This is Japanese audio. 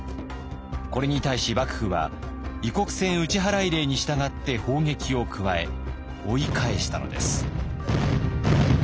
これに対し幕府は異国船打払令に従って砲撃を加え追い返したのです。